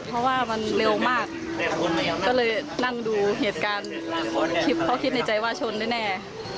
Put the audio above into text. เพราะว่ามันเร็วมากก็เลยนั่งดูเหตุการณ์คลิปเขาคิดในใจว่าชนแน่